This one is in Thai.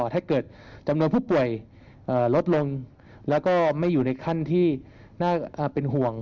ถ้าเกิดจำนวนผู้ป่วยลดลงแล้วก็ไม่อยู่ในขั้นที่น่าเป็นห่วง